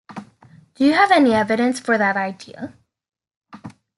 Do you have any evidence for that idea?